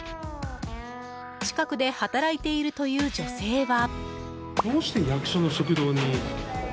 近くで働いているという女性は。